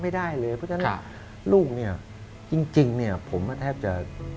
ไม่ได้เลยเพราะฉะนั้นลูกเนี่ยจริงเนี่ยผมแทบจะ